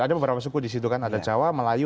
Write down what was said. ada beberapa suku disitu kan ada jawa melayu